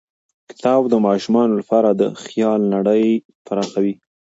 کتاب د ماشومانو لپاره د خیال نړۍ پراخوي.